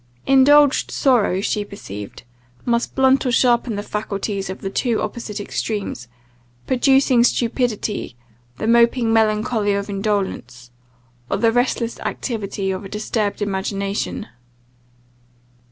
Indulged sorrow, she perceived, must blunt or sharpen the faculties to the two opposite extremes; producing stupidity, the moping melancholy of indolence; or the restless activity of a disturbed imagination.